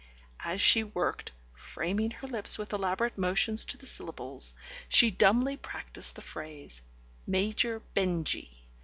... As she worked (framing her lips with elaborate motions to the syllables) she dumbly practised the phrase "Major Benjy".